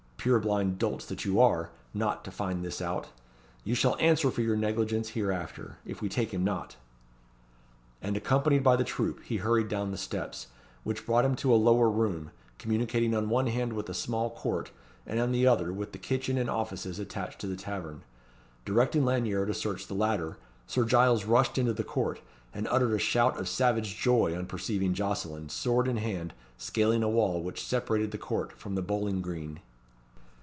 "Purblind dolts that you are, not to find this out. You shall answer for your negligence hereafter, if we take him not." And, accompanied by the troop, he hurried down the steps, which brought him to a lower room, communicating on one hand with a small court, and, on the other, with the kitchen and offices attached to the tavern. Directing Lanyere to search the latter, Sir Giles rushed into the court, and uttered a shout of savage joy on perceiving Jocelyn, sword in hand, scaling a wall which separated the court from the bowling green.